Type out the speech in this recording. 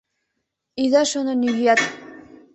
Ида шоно нигӧат!